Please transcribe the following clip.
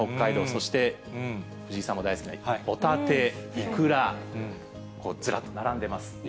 そして藤井さんも大好きなホタテ、イクラ、ずらっと並んでます。